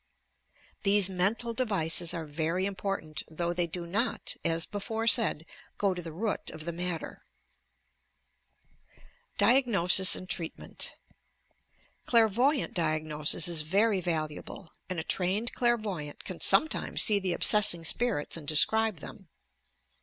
Thefie mental devices are very important, though they do not, as before said, go to the root of the matter, nlAONOSLS AND TREATMENT Clairvoyant diagnosis is very valuable, and a trained clair\'oyant can sometimes see the obsessing spirits and describe them.